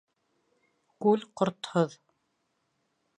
Күл ҡортһоҙ